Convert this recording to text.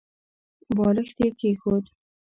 بالښت يې کېښود.